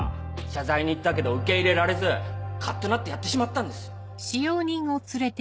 謝罪に行ったけど受け入れられずカッとなってやってしまったんですよ。